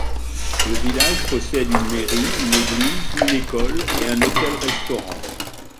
Le village possède une mairie, une église, une école et un hôtel-restaurant.